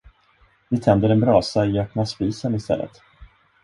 Vi tänder en brasa i öppna spisen istället.